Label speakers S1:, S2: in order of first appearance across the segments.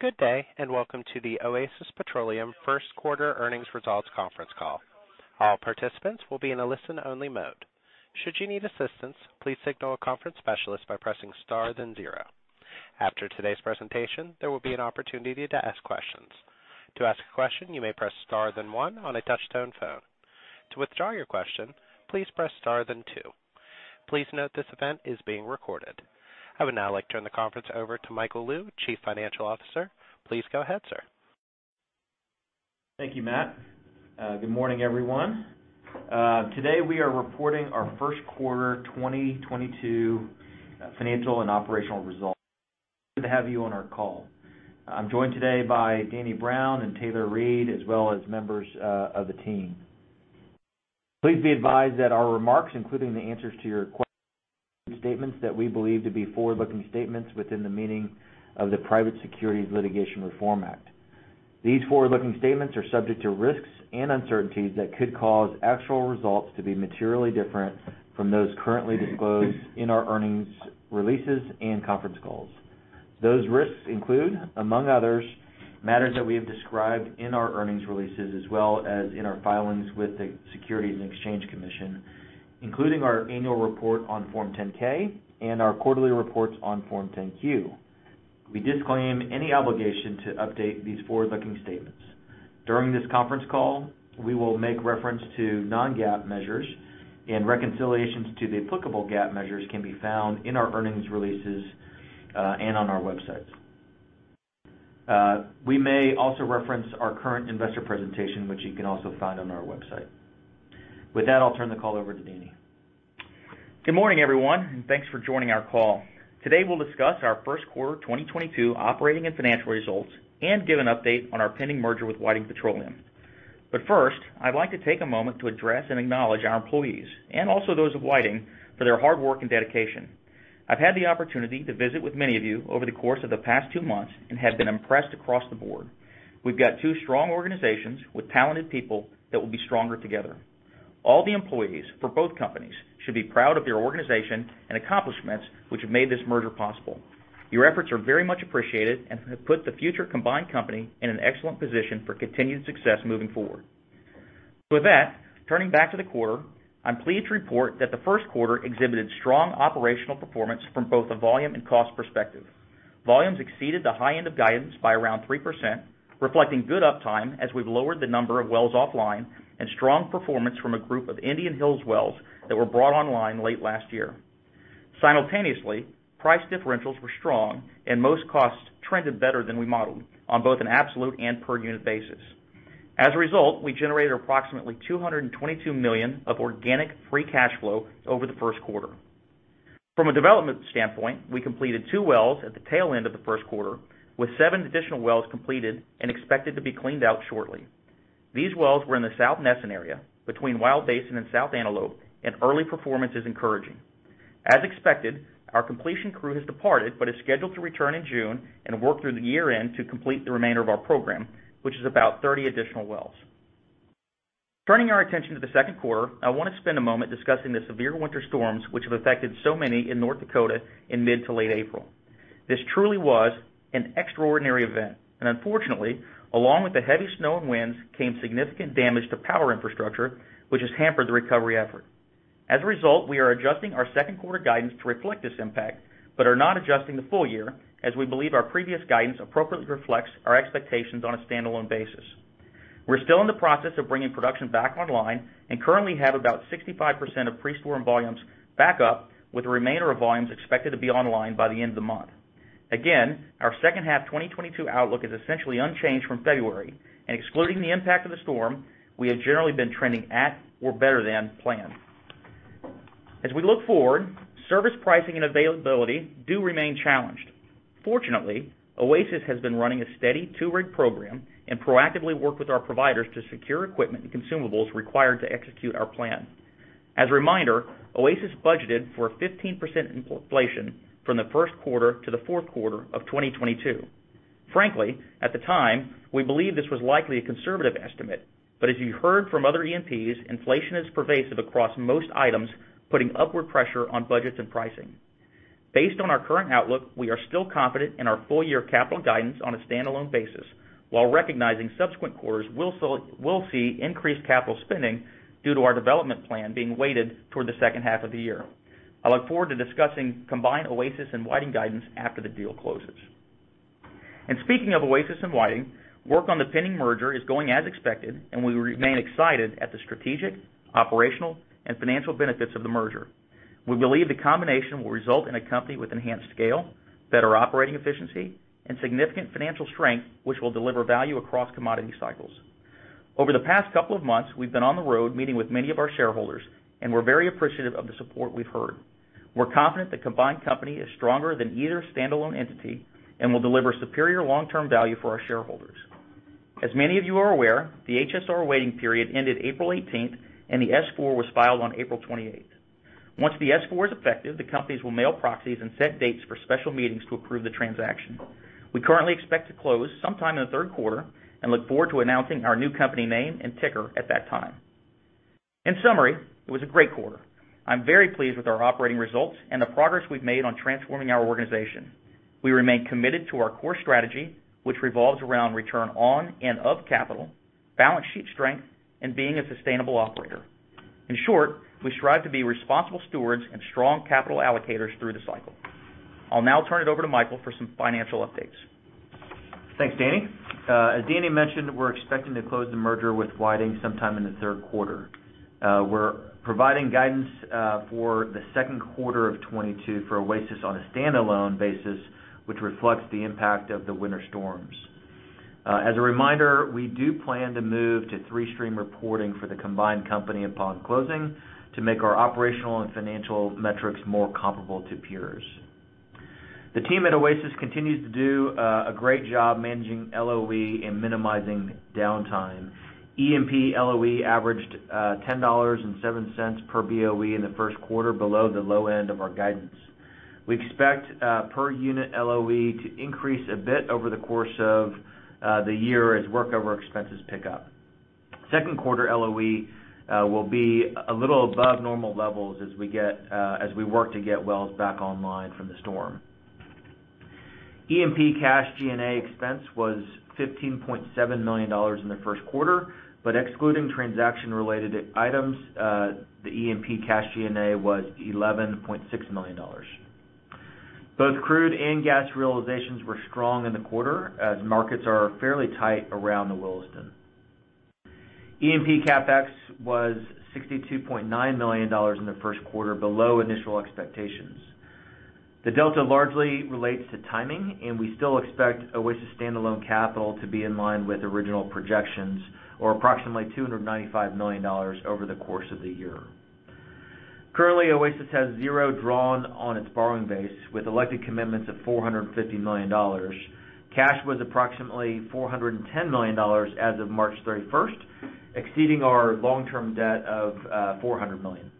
S1: Good day, and welcome to the Oasis Petroleum Q1 Earnings Results Conference Call. All participants will be in a listen-only mode. Should you need assistance, please signal a conference specialist by pressing star then zero. After today's presentation, there will be an opportunity to ask questions. To ask a question, you may press star then one on a touch-tone phone. To withdraw your question, please press star then two. Please note this event is being recorded. I would now like to turn the conference over to Michael Lou, Chief Financial Officer. Please go ahead, sir.
S2: Thank you, Matt. Good morning, everyone. Today, we are reporting our Q1 2022 financial and operational results. Good to have you on our call. I'm joined today by Daniel Brown and Taylor Reid, as well as members of the team. Please be advised that our remarks, including the answers to your questions, statements that we believe to be forward-looking statements within the meaning of the Private Securities Litigation Reform Act. These forward-looking statements are subject to risks and uncertainties that could cause actual results to be materially different from those currently disclosed in our earnings releases and conference calls. Those risks include, among others, matters that we have described in our earnings releases as well as in our filings with the Securities and Exchange Commission, including our annual report on Form 10-K and our quarterly reports on Form 10-Q. We disclaim any obligation to update these forward-looking statements. During this conference call, we will make reference to non-GAAP measures, and reconciliations to the applicable GAAP measures can be found in our earnings releases, and on our websites. We may also reference our current investor presentation, which you can also find on our website. With that, I'll turn the call over to Danny.
S3: Good morning, everyone, and thanks for joining our call. Today, we'll discuss our Q1 2022 operating and financial results and give an update on our pending merger with Whiting Petroleum. First, I'd like to take a moment to address and acknowledge our employees and also those of Whiting for their hard work and dedication. I've had the opportunity to visit with many of you over the course of the past two months and have been impressed across the board. We've got two strong organizations with talented people that will be stronger together. All the employees for both companies should be proud of your organization and accomplishments which have made this merger possible. Your efforts are very much appreciated and have put the future combined company in an excellent position for continued success moving forward. With that, turning back to the quarter, I'm pleased to report that the Q1 exhibited strong operational performance from both a volume and cost perspective. Volumes exceeded the high end of guidance by around 3%, reflecting good uptime as we've lowered the number of wells offline and strong performance from a group of Indian Hills wells that were brought online late last year. Simultaneously, price differentials were strong and most costs trended better than we modeled on both an absolute and per unit basis. As a result, we generated approximately $222 million of organic free cash flow over the Q1. From a development standpoint, we completed 2 wells at the tail end of the Q1, with 7 additional wells completed and expected to be cleaned out shortly. These wells were in the South Nesson area between Wild Basin and South Antelope, and early performance is encouraging. As expected, our completion crew has departed but is scheduled to return in June and work through the year-end to complete the remainder of our program, which is about 30 additional wells. Turning our attention to the Q2, I want to spend a moment discussing the severe winter storms which have affected so many in North Dakota in mid to late April. This truly was an extraordinary event, and unfortunately, along with the heavy snow and winds, came significant damage to power infrastructure, which has hampered the recovery effort. As a result, we are adjusting our Q2 guidance to reflect this impact, but are not adjusting the full year as we believe our previous guidance appropriately reflects our expectations on a standalone basis. We're still in the process of bringing production back online and currently have about 65% of pre-storm volumes back up, with the remainder of volumes expected to be online by the end of the month. Again, our second half 2022 outlook is essentially unchanged from February, and excluding the impact of the storm, we have generally been trending at or better than planned. As we look forward, service pricing and availability do remain challenged. Fortunately, Oasis has been running a steady 2-rig program and proactively work with our providers to secure equipment and consumables required to execute our plan. As a reminder, Oasis budgeted for a 15% inflation from the Q1 to the Q4 of 2022. Frankly, at the time, we believe this was likely a conservative estimate. As you heard from other E&Ps, inflation is pervasive across most items, putting upward pressure on budgets and pricing. Based on our current outlook, we are still confident in our full year capital guidance on a standalone basis, while recognizing subsequent quarters will see increased capital spending due to our development plan being weighted toward the second half of the year. I look forward to discussing combined Oasis and Whiting guidance after the deal closes. Speaking of Oasis and Whiting, work on the pending merger is going as expected, and we remain excited at the strategic, operational, and financial benefits of the merger. We believe the combination will result in a company with enhanced scale, better operating efficiency, and significant financial strength, which will deliver value across commodity cycles. Over the past couple of months, we've been on the road meeting with many of our shareholders, and we're very appreciative of the support we've heard. We're confident the combined company is stronger than either standalone entity and will deliver superior long-term value for our shareholders. As many of you are aware, the HSR waiting period ended April 18, and the S-4 was filed on April 28. Once the S-4 is effective, the companies will mail proxies and set dates for special meetings to approve the transaction. We currently expect to close sometime in the Q3 and look forward to announcing our new company name and ticker at that time. In summary, it was a great quarter. I'm very pleased with our operating results and the progress we've made on transforming our organization. We remain committed to our core strategy, which revolves around return on and of capital, balance sheet strength, and being a sustainable operator. In short, we strive to be responsible stewards and strong capital allocators through the cycle. I'll now turn it over to Michael for some financial updates.
S2: Thanks, Danny. As Danny mentioned, we're expecting to close the merger with Whiting sometime in the Q3. We're providing guidance for the Q2 of 2022 for Oasis on a standalone basis, which reflects the impact of the winter storms. As a reminder, we do plan to move to three-stream reporting for the combined company upon closing to make our operational and financial metrics more comparable to peers. The team at Oasis continues to do a great job managing LOE and minimizing downtime. E&P LOE averaged $10.07 per BOE in the Q1, below the low end of our guidance. We expect per unit LOE to increase a bit over the course of the year as workover expenses pick up. Q2 LOE will be a little above normal levels as we work to get wells back online from the storm. E&P cash G&A expense was $15.7 million in the Q1, but excluding transaction-related items, the E&P cash G&A was $11.6 million. Both crude and gas realizations were strong in the quarter as markets are fairly tight around the Williston. E&P CapEx was $62.9 million in the Q1, below initial expectations. The delta largely relates to timing, and we still expect Oasis standalone capital to be in line with original projections, or approximately $295 million over the course of the year. Currently, Oasis has $0 drawn on its borrowing base, with elected commitments of $450 million. Cash was approximately $410 million as of March 31, exceeding our long-term debt of $400 million.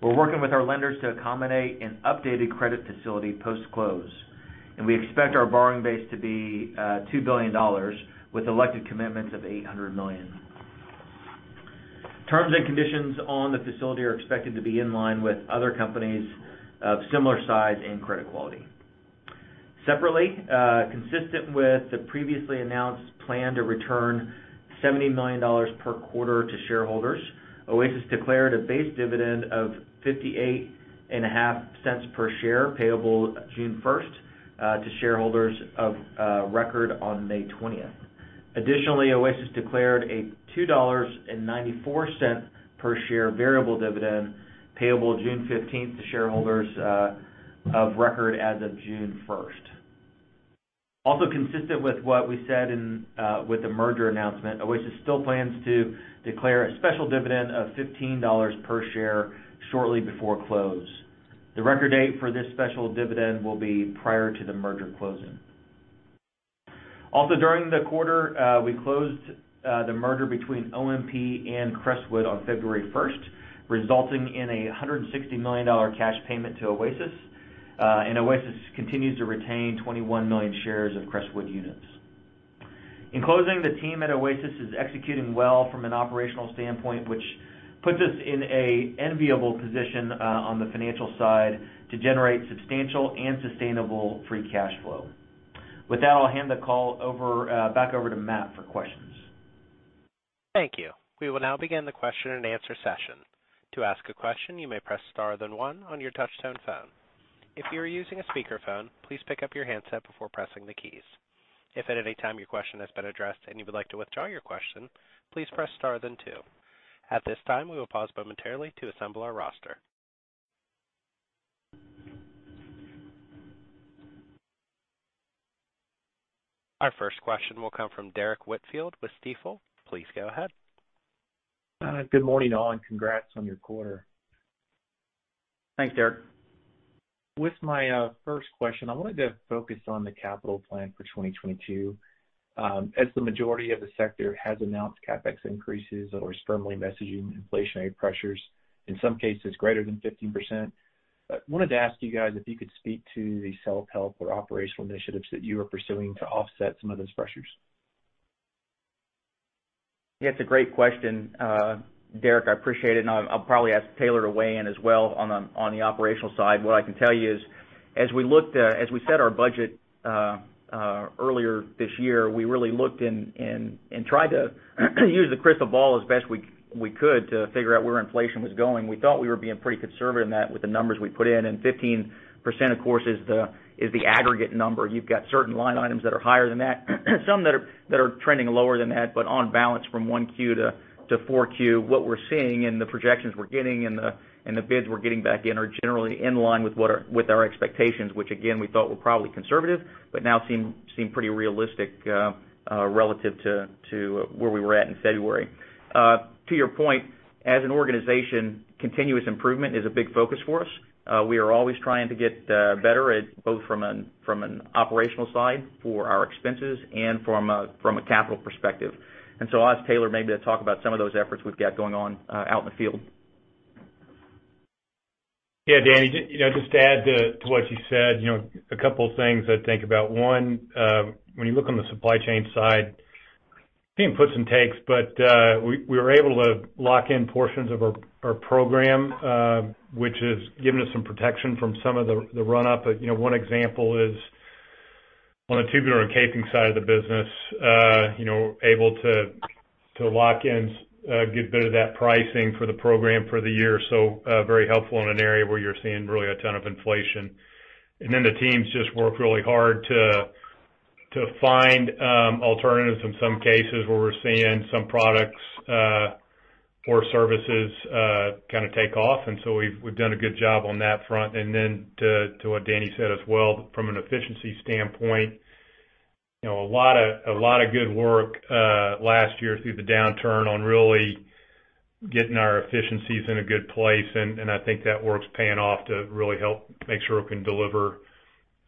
S2: We're working with our lenders to accommodate an updated credit facility post-close, and we expect our borrowing base to be $2 billion with elected commitments of $800 million. Terms and conditions on the facility are expected to be in line with other companies of similar size and credit quality. Separately, consistent with the previously announced plan to return $70 million per quarter to shareholders, Oasis declared a base dividend of $0.585 per share payable June 1 to shareholders of record on May 20. Additionally, Oasis declared a $2.94 per share variable dividend payable June 15 to shareholders of record as of June 1. Also consistent with what we said with the merger announcement, Oasis still plans to declare a special dividend of $15 per share shortly before close. The record date for this special dividend will be prior to the merger closing. Also, during the quarter, we closed the merger between OMP and Crestwood on February 1, resulting in a $160 million cash payment to Oasis, and Oasis continues to retain 21 million shares of Crestwood units. In closing, the team at Oasis is executing well from an operational standpoint, which puts us in an enviable position on the financial side to generate substantial and sustainable free cash flow. With that, I'll hand the call back over to Matt for questions.
S1: Thank you. We will now begin the question-and-answer session. To ask a question, you may press star then one on your touch-tone phone. If you are using a speakerphone, please pick up your handset before pressing the keys. If at any time your question has been addressed and you would like to withdraw your question, please press star then two. At this time, we will pause momentarily to assemble our roster. Our first question will come from Derrick Whitfield with Stifel. Please go ahead.
S4: Good morning, all, and congrats on your quarter.
S3: Thanks, Derrick.
S4: With my first question, I wanted to focus on the capital plan for 2022. As the majority of the sector has announced CapEx increases or is firmly messaging inflationary pressures, in some cases greater than 15%, I wanted to ask you guys if you could speak to the self-help or operational initiatives that you are pursuing to offset some of those pressures.
S3: Yeah, it's a great question, Derek. I appreciate it. I'll probably ask Taylor to weigh in as well on the operational side. What I can tell you is, as we set our budget earlier this year, we really looked and tried to use the crystal ball as best we could to figure out where inflation was going. We thought we were being pretty conservative in that with the numbers we put in, and 15%, of course, is the aggregate number. You've got certain line items that are higher than that, some that are trending lower than that. On balance from 1Q to 4Q, what we're seeing and the projections we're getting and the bids we're getting back in are generally in line with our expectations, which again, we thought were probably conservative, but now seem pretty realistic relative to where we were at in February. To your point, as an organization, continuous improvement is a big focus for us. We are always trying to get better at both from an operational side for our expenses and from a capital perspective. And so I'll ask Taylor maybe to talk about some of those efforts we've got going on out in the field.
S5: Yeah, Danny, you know, just to add to what you said, you know, a couple things I think about. One, when you look on the supply chain side, giving puts and takes, but we were able to lock in portions of our program, which has given us some protection from some of the run-up. You know, one example is on a tubular and casing side of the business, you know, able to lock in, get a bit of that pricing for the program for the year. So, very helpful in an area where you're seeing really a ton of inflation. Then the teams just work really hard to find alternatives in some cases where we're seeing some products or services kind of take off. We've done a good job on that front. Then to what Danny said as well, from an efficiency standpoint, you know, a lot of good work last year through the downturn on really getting our efficiencies in a good place. I think that work's paying off to really help make sure we can deliver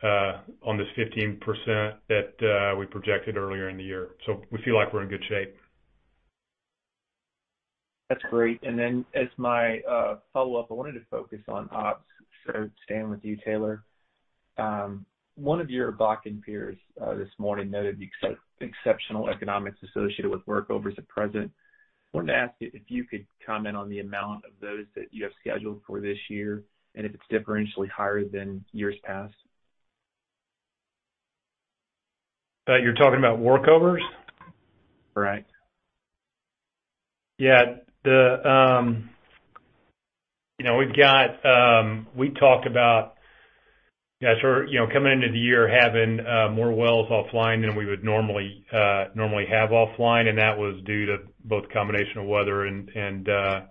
S5: on this 15% that we projected earlier in the year. We feel like we're in good shape.
S4: That's great. As my follow-up, I wanted to focus on ops, so staying with you, Taylor. One of your Bakken peers this morning noted the exceptional economics associated with workovers at present. Wanted to ask if you could comment on the amount of those that you have scheduled for this year, and if it's differentially higher than years past.
S5: You're talking about workovers?
S4: Right.
S5: Yeah. The, you know, we've got. We talked about, yeah, sort of, you know, coming into the year having more wells offline than we would normally have offline, and that was due to both combination of weather and the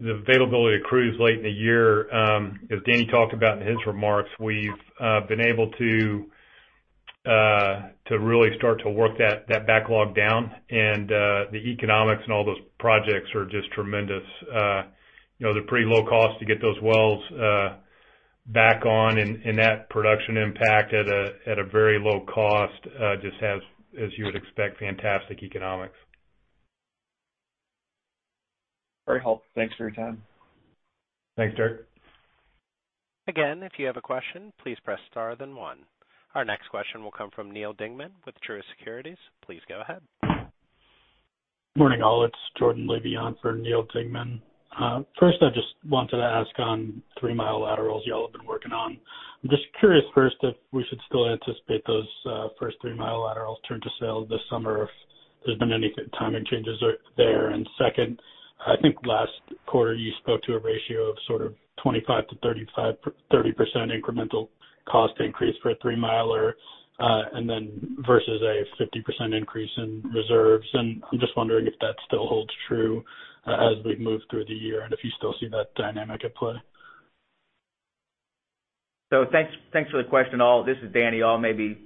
S5: availability of crews late in the year. As Danny talked about in his remarks, we've been able to really start to work that backlog down. The economics and all those projects are just tremendous. You know, they're pretty low cost to get those wells back on and that production impact at a very low cost just has, as you would expect, fantastic economics.
S4: Very helpful. Thanks for your time.
S5: Thanks, Derrick.
S1: Again, if you have a question, please press star then one. Our next question will come from Neal Dingmann with Truist Securities. Please go ahead.
S6: Morning, all. It's Jordan Levy for Neal Dingmann. First, I just wanted to ask on three-mile laterals y'all have been working on. I'm just curious first if we should still anticipate those first three-mile laterals turn to sales this summer, if there's been any timing changes there. Second, I think last quarter you spoke to a ratio of sort of 25%-35% incremental cost increase for a three-miler, and then versus a 50% increase in reserves. I'm just wondering if that still holds true, as we've moved through the year and if you still see that dynamic at play.
S3: Thanks for the question all. This is Danny Brown. I'll maybe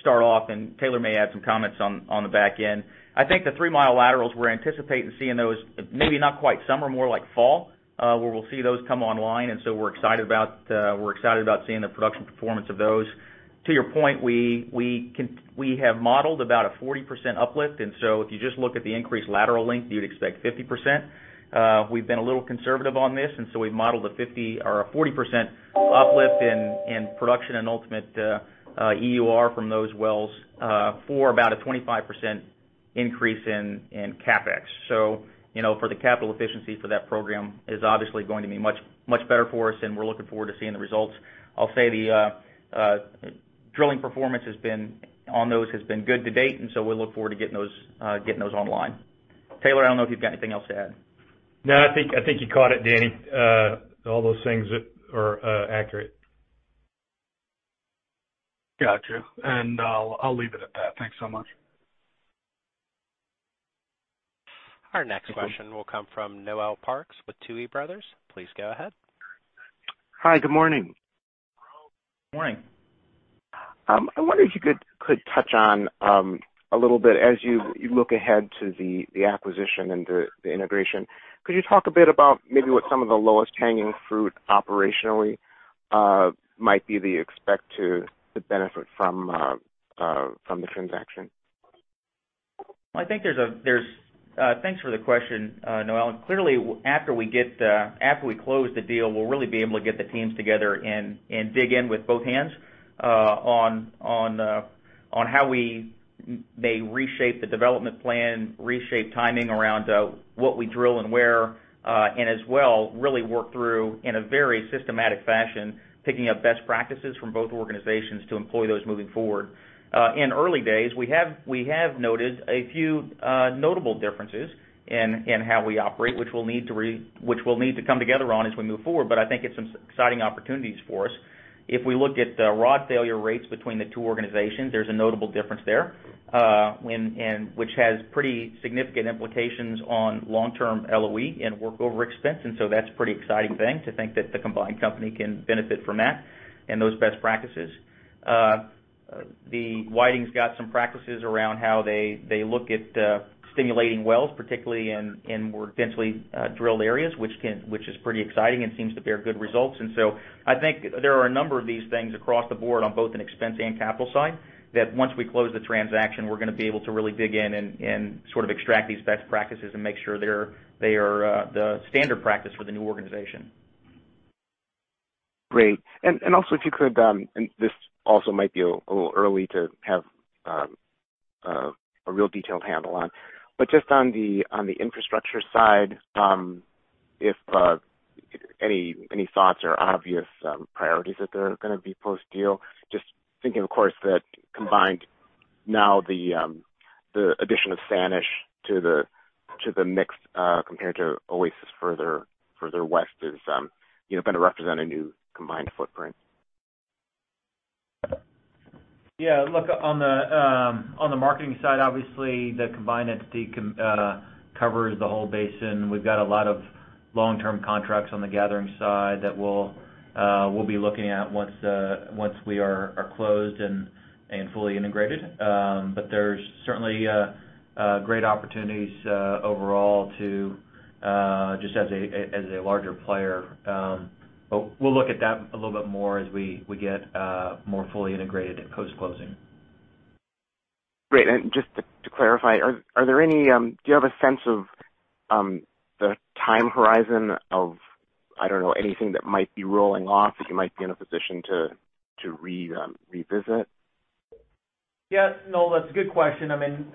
S3: start off, and Taylor Reid may add some comments on the back end. I think the 3-mile laterals. We're anticipating seeing those maybe not quite summer, more like fall, where we'll see those come online. We're excited about seeing the production performance of those. To your point, we have modeled about a 40% uplift. If you just look at the increased lateral length, you'd expect 50%. We've been a little conservative on this. We've modeled a 50% or 40% uplift in production and ultimate EUR from those wells for about a 25% increase in CapEx. You know, for the capital efficiency for that program is obviously going to be much, much better for us, and we're looking forward to seeing the results. I'll say the drilling performance on those has been good to date, and so we look forward to getting those online. Taylor, I don't know if you've got anything else to add.
S5: No, I think you caught it, Danny. All those things are accurate.
S6: Got you. I'll leave it at that. Thanks so much.
S1: Our next question will come from Noel Parks with Tuohy Brothers. Please go ahead.
S7: Hi. Good morning.
S3: Morning.
S7: I wonder if you could touch on a little bit as you look ahead to the acquisition and the integration. Could you talk a bit about maybe what some of the lowest hanging fruit operationally might be that you expect to benefit from the transaction?
S3: I think thanks for the question, Noel. Clearly, after we close the deal, we'll really be able to get the teams together and dig in with both hands on how we may reshape the development plan, reshape timing around what we drill and where, and as well, really work through in a very systematic fashion, picking up best practices from both organizations to employ those moving forward. In early days, we have noted a few notable differences in how we operate, which we'll need to come together on as we move forward. I think it's some exciting opportunities for us. If we look at rod failure rates between the two organizations, there's a notable difference there, which has pretty significant implications on long-term LOE and workover expense. That's a pretty exciting thing to think that the combined company can benefit from that and those best practices. The Whiting's got some practices around how they look at stimulating wells, particularly in more densely drilled areas, which is pretty exciting and seems to bear good results. I think there are a number of these things across the board on both an expense and capital side, that once we close the transaction, we're gonna be able to really dig in and sort of extract these best practices and make sure they are the standard practice for the new organization.
S7: Great. Also if you could, and this also might be a little early to have a real detailed handle on. Just on the infrastructure side, if any thoughts or obvious priorities that there are gonna be post-deal. Just thinking, of course, that combined now the addition of Sanish to the mix, compared to Oasis further west is, you know, gonna represent a new combined footprint.
S2: Yeah. Look, on the marketing side, obviously the combined entity covers the whole basin. We've got a lot of long-term contracts on the gathering side that we'll be looking at once we are closed and fully integrated. There's certainly great opportunities overall to just as a larger player. We'll look at that a little bit more as we get more fully integrated post-closing.
S7: Great. Just to clarify, are there any? Do you have a sense of the time horizon of, I don't know, anything that might be rolling off that you might be in a position to revisit?
S2: Yeah, no, that's a good question. I mean,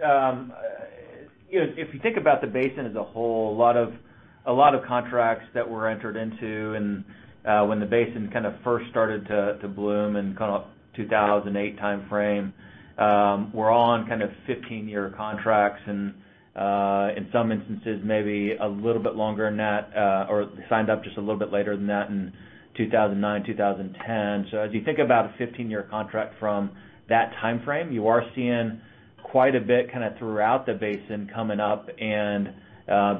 S2: you know, if you think about the basin as a whole, a lot of contracts that were entered into and, when the basin kind of first started to bloom in kind of 2008 timeframe, were all on kind of 15-year contracts and, in some instances, maybe a little bit longer than that, or signed up just a little bit later than that in 2009, 2010. As you think about a 15-year contract from that timeframe, you are seeing quite a bit kinda throughout the basin coming up and,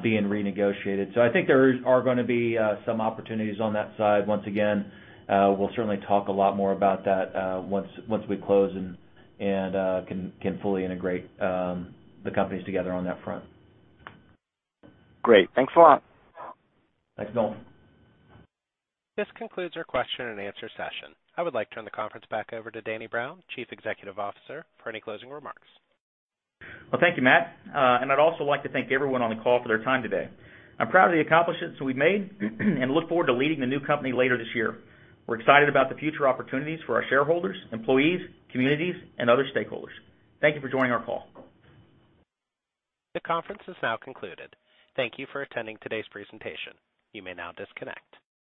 S2: being renegotiated. I think there are gonna be some opportunities on that side. Once again, we'll certainly talk a lot more about that, once we close and can fully integrate the companies together on that front.
S7: Great. Thanks a lot.
S2: Thanks, Noel.
S1: This concludes our question and answer session. I would like to turn the conference back over to Daniel Brown, Chief Executive Officer, for any closing remarks.
S3: Well, thank you, Matt. I'd also like to thank everyone on the call for their time today. I'm proud of the accomplishments that we've made and look forward to leading the new company later this year. We're excited about the future opportunities for our shareholders, employees, communities, and other stakeholders. Thank you for joining our call.
S1: The conference has now concluded. Thank you for attending today's presentation. You may now disconnect.